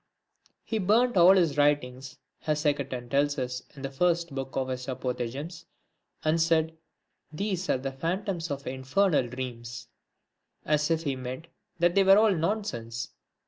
II. He burnt all his writings, as Hecaton tells us in the first book of his Apophthegms, and said :— These are the phantoms of infernal dreams ; As if he meant that they were all nonsense.